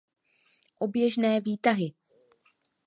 Oběžné výtahy.